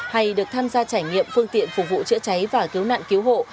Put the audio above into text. hay được tham gia trải nghiệm phương tiện phục vụ chữa cháy và cứu nạn cứu hộ